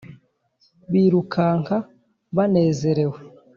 Birukanka banezerewe